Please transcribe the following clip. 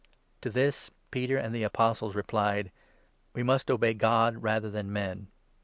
To this Peter and the Apostles replied : 29 "We must obey God rather than men.